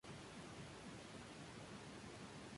Junto a ella estaban las marcas de Istria, Austria, y Carniola.